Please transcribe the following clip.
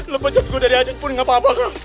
lu pencet gua dari ajit pun gapapa kak